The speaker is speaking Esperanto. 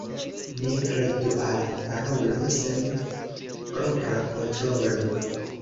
Ne kredu al parolo sen propra kontrolo.